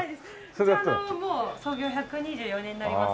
うちはもう創業１２４年になります